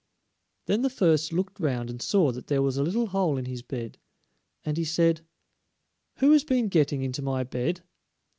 Then the first looked round and saw that there was a little hole in his bed, and he said: "Who has been getting into my bed?"